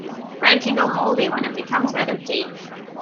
Bread can go moldy when it becomes out of date.